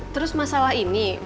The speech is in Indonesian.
terus masalah ini